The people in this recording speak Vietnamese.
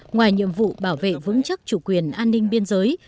ngoài nhiệm vụ bảo vệ vững chắc chủ quyền an ninh biên giới